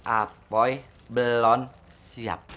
apoy belum siap